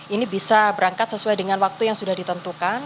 ini bisa berangkat sesuai dengan waktu yang sudah ditentukan